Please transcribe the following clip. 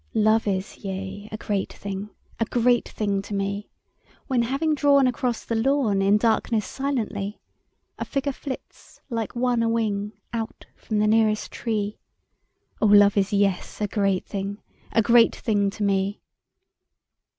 Love is, yea, a great thing, A great thing to me, When, having drawn across the lawn In darkness silently, A figure flits like one a wing Out from the nearest tree: O love is, yes, a great thing, A great thing to me!